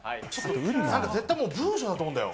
絶対もう文章だと思うんだよ。